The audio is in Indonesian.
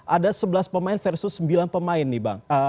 ada sebelas pemain versus sembilan pemain nih bang